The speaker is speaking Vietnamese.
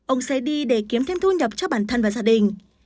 ông sẽ đi để kiếm thêm thu nhập cho bản thân và gia đình